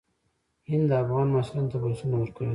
هند افغان محصلینو ته بورسونه ورکوي.